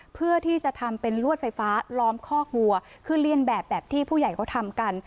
เพื่อที่จะทำเป็นลวดไฟฟ้าล้อมคอกวัวคือเลี่ยนแบบแบบที่ผู้ใหญ่เขาทำกัน